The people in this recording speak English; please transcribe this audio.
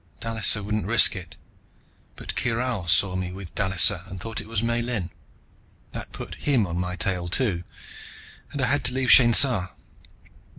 Dallisa wouldn't risk it, but Kyral saw me with Dallisa and thought it was Miellyn. That put him on my tail, too, and I had to leave Shainsa.